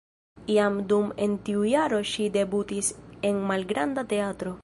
Jam dum en tiu jaro ŝi debutis en malgranda teatro.